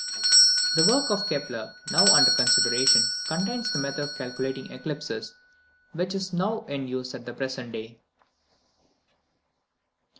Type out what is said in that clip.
The work of Kepler, now under consideration, contains the method of calculating eclipses which is now in use at the present day.